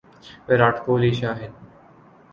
Virat Kohli Shahid